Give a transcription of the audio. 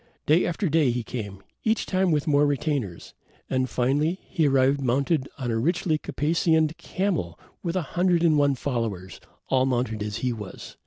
Day after day he came, each time with more retainers, and, finally, he arrived mounted on a richly caparisoned camel with a hundred and one followers, all mounted as he was.